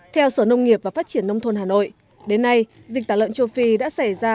theo sở nông nghiệp và phát triển nông thôn hà nội đến nay dịch tả lợn châu phi đã xảy ra